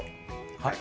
はい。